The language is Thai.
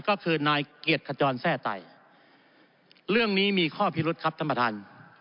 ก็คือนายเกียรติขจรแทร่ไตเรื่องนี้มีข้อพิรุษครับท่านประธาน